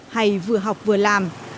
hay vừa học vừa làm